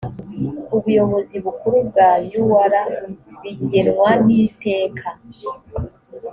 ubuyobozi bukuru bwa ur bigenwa n iteka